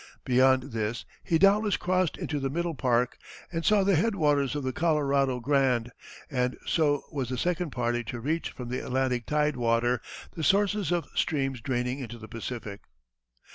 Beyond this he doubtless crossed into the Middle Park, and saw the head waters of the Colorado Grande, and so was the second party to reach from the Atlantic tide water the sources of streams draining into the Pacific.